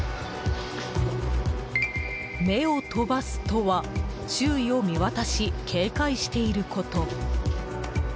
目を飛ばすとは周囲を見渡し警戒していること。